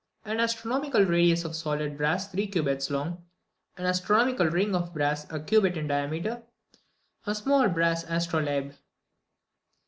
26. An astronomical radius of solid brass, three cubits long. 27. An astronomical ring of brass, a cubit in diameter. 28. A small brass astrolabe.